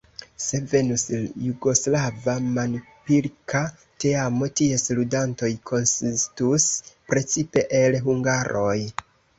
Se venus jugoslava manpilka teamo, ties ludantoj konsistus precipe el hungaroj.